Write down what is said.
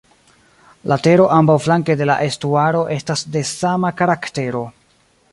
La tero ambaŭflanke de la estuaro estas de sama karaktero.